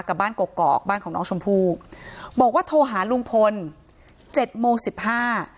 กับบ้านกอกกอกบ้านของน้องชมพู่บอกว่าโทรหาลุงพลเจ็ดโมงสิบห้า